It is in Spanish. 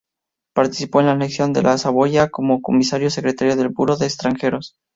Participó en la Anexión de la Saboya como comisario secretario del Buró de extranjeros